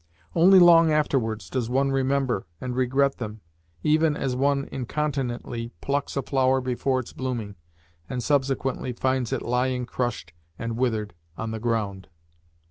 Only long afterwards does one remember and regret them, even as one incontinently plucks a flower before its blooming, and subsequently finds it lying crushed and withered on the ground.